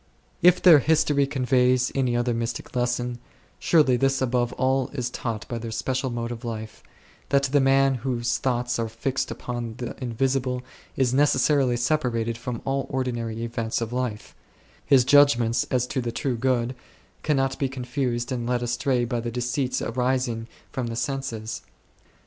If their history conveys any other mystic lesson, surely this above all is taught by their special mode of life, that the man whose thoughts are fixed upon the invisible is neces sarily separated from all the ordinary events of life ; his judgments as to the True Good cannot be confused and led astray by the deceits arising from the senses.